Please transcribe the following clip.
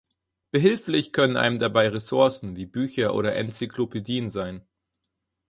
Behilflich können einem dabei Ressourcen wie Bücher oder Enzyklopädien sein.